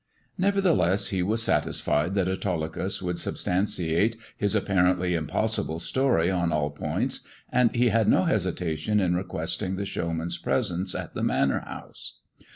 Nevertheless, he was satisfied that Autolycus would sub stantiate his apparently impossible story on all points, and he had no hesitation in requesting the showman's presence at the Manor House.